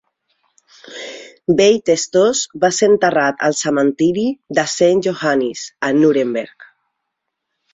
Veit Stoss va ser enterrat al cementiri de Saint Johannis a Nuremberg.